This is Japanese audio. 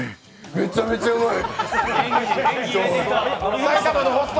めちゃめちゃうまい！